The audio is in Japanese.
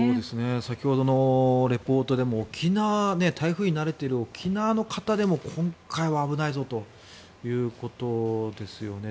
先ほどのリポートでも台風に慣れている沖縄の方でも今回は危ないぞということですよね。